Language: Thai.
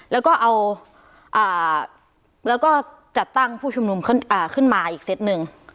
แล้วก็เอาแล้วก็จัดตั้งผู้ชุมนุมขึ้นมาอีกเซตหนึ่ง